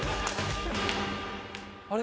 あれ？